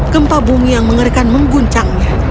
gempa bumi yang mengerikan mengguncangnya